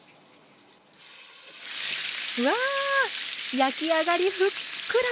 うわあ焼き上がりふっくら！